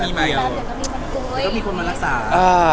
แล้วก็มีคนมารักษา